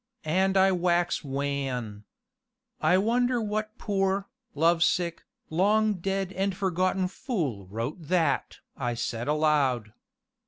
And I wax wan!" "I wonder what poor, love sick, long dead and forgotten fool wrote that?" said I aloud.